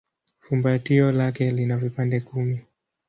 Fumbatio lake lina vipande kumi.